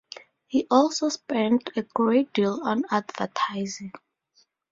He also spent a great deal on advertising.